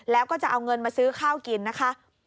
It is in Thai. แล้วก็จะเอาเงินมาซื้อข้าวกินนะคะ